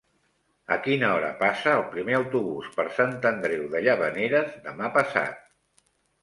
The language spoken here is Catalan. A quina hora passa el primer autobús per Sant Andreu de Llavaneres demà passat?